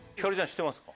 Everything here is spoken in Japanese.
知ってますか？